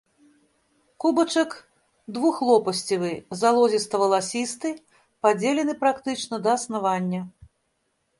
Кубачак двухлопасцевы, залозіста-валасісты, падзелены практычна да аснавання.